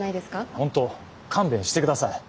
本当勘弁してください。